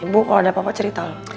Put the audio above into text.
ibu kalo ada apa apa cerita lu